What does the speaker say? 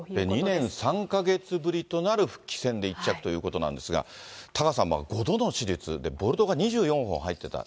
２年３か月ぶりとなる復帰戦で１着ということなんですが、タカさん、５度の手術、で、ボルトが２４本入ってた。